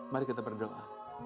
mari kita berdoa